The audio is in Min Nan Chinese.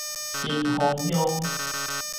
新豐鄉